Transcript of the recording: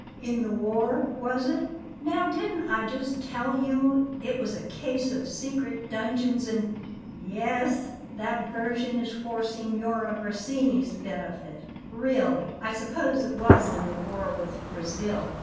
In the war, was it?" "Now, didn't I just tell you it was a case of secret dungeons and " "Yes, that version is for Signora Grassini's benefit. Really, I suppose it was in the war with Brazil?"